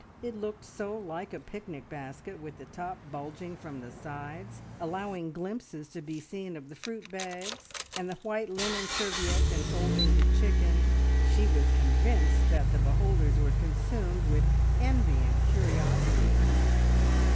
It looked so like a picnic basket, with the top bulging from the sides, allowing glimpses to be seen of the fruit bags, and the white linen serviette enfolding the chicken; she was convinced that the beholders were consumed with envy and curiosity!